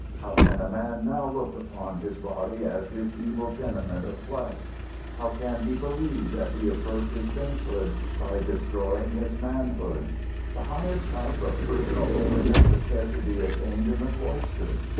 How can a man now look upon his body as his evil tenement of flesh? How can he believe that he approaches sainthood by destroying his manhood? The highest type of personal holiness is said to be attained in the cloister.